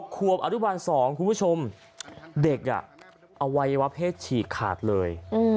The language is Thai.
ขวบอนุบาล๒คุณผู้ชมเด็กอวัยวะเพศฉีกขาดเลย